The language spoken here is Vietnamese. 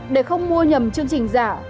để không mua nhầm chương trình giả